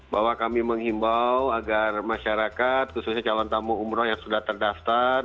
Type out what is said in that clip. bahwa kami menghimbau agar masyarakat khususnya calon tamu umroh yang sudah terdaftar